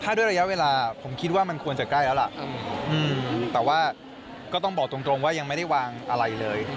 ถ้าด้วยระยะเวลาผมคิดว่ามันควรจะใกล้แล้วล่ะแต่ว่าก็ต้องบอกตรงว่ายังไม่ได้วางอะไรเลย